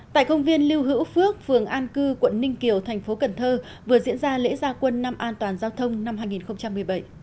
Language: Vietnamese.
tại công viên lưu hữu phước phường an cư quận ninh kiều thành phố cần thơ vừa diễn ra lễ gia quân năm an toàn giao thông năm hai nghìn một mươi bảy